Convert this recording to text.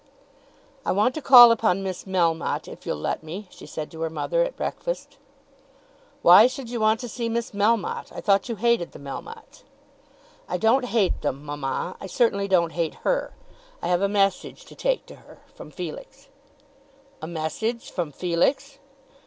"I want to call upon Miss Melmotte, if you'll let me," she said to her mother at breakfast. "Why should you want to see Miss Melmotte? I thought you hated the Melmottes?" "I don't hate them, mamma. I certainly don't hate her. I have a message to take to her, from Felix." "A message from Felix."